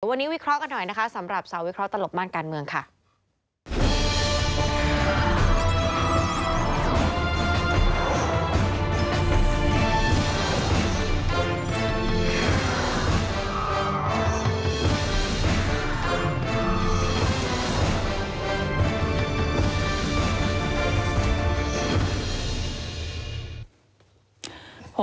วันนี้วิเคราะห์กันหน่อยนะคะสำหรับสาววิเคราะหลบม่านการเมืองค่ะ